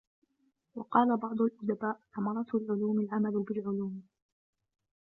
وَقَالَ بَعْضُ الْأُدَبَاءِ ثَمَرَةُ الْعُلُومِ الْعَمَلُ بِالْعُلُومِ